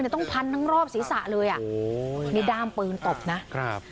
ต้องพันทั้งรอบศีรษะเลยอ่ะโอ้โหนี่ด้ามปืนตบนะครับ